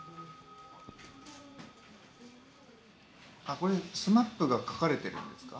これＳＭＡＰが描かれているんですか？